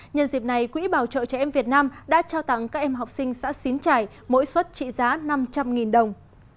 nhân dịp này quỹ bảo trợ trẻ em việt nam đã trao tặng các em học sinh xã xín trải mỗi suất trị giá năm trăm linh đồng